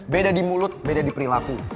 beda di mulut beda di perilaku